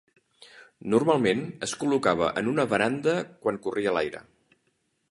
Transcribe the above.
Normalment es col·locava en una veranda quan corria l'aire.